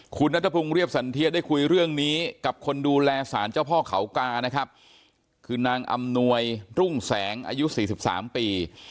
คุณนัทพงศ์เรียบสันเทียได้คุยเรื่องนี้กับคนดูแลสารเจ้าพ่อเขากานะครับคือนางอำนวยรุ่งแสงอายุ๔๓ปี